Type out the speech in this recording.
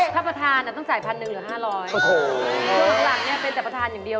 กรรมการไม่ค่อยได้เป็นเลย